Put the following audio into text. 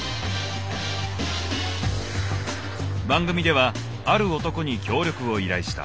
番組ではある男に協力を依頼した。